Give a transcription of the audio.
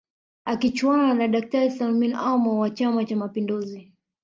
Akichuana na daktari Salmin Amour wa chama cha mapinduzi